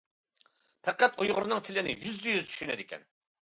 پەقەت ئۇيغۇرنىڭ تىلىنى يۈزدە يۈز چۈشىنىدىكەن.